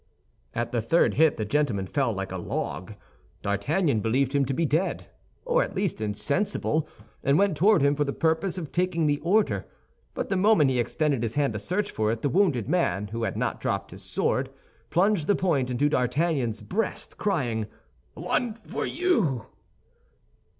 At the third hit the gentleman fell like a log. D'Artagnan believed him to be dead, or at least insensible, and went toward him for the purpose of taking the order; but the moment he extended his hand to search for it, the wounded man, who had not dropped his sword, plunged the point into D'Artagnan's breast, crying, "One for you!"